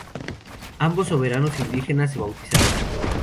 Ambos soberanos indígenas se bautizaron.